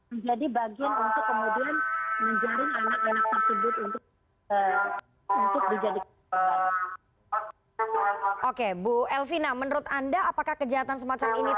menjadi bagian untuk kemudian menjaring anak anak tersebut untuk dijadikan semacam